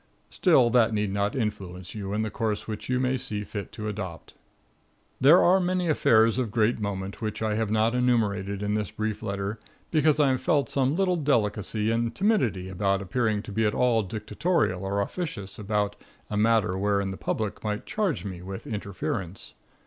Still, that need not influence you in the course which you may see fit to adopt. There are many affairs of great moment which I have not enumerated in this brief letter, because I felt some little delicacy and timidity about appearing to be at all dictatorial or officious about a matter wherein the public might charge me with interference.